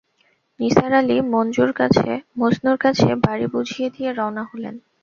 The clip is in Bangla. নিসার আলি মজনুর কাছে বাড়ি বুঝিয়ে দিয়ে রওনা হলেন।